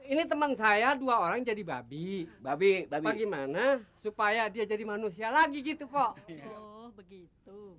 ini teman saya dua orang jadi babi babi bagaimana supaya dia jadi manusia lagi gitu kok begitu